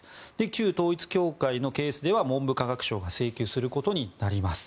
旧統一教会のケースでは文部科学省が請求することになります。